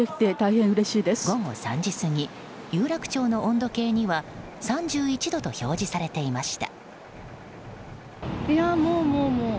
午後３時過ぎ有楽町の温度計には３１度と表示されていました。